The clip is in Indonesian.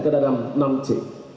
ke dalam enam c